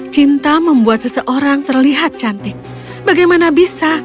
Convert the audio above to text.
cinta membuat seseorang terlihat cantik bagaimana bisa